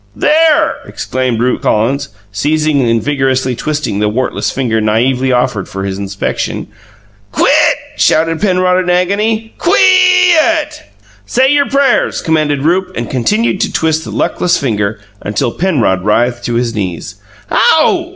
"There!" exclaimed Rupe Collins, seizing and vigorously twisting the wartless finger naively offered for his inspection. "Quit!" shouted Penrod in agony. "QUEE yut!" "Say your prayers!" commanded Rupe, and continued to twist the luckless finger until Penrod writhed to his knees. "OW!"